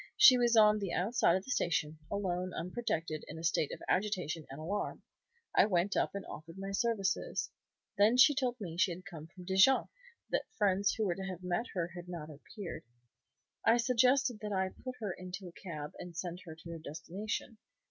She was on the outside of the station, alone, unprotected, in a state of agitation and alarm. I went up and offered my services. Then she told me she had come from Dijon, that friends who were to have met her had not appeared. I suggested that I should put her into a cab and send her to her destination.